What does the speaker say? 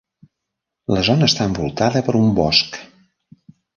La zona està envoltada per un bosc.